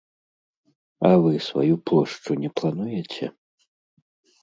А вы сваю плошчу не плануеце?